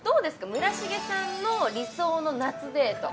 村重さんの理想の夏デート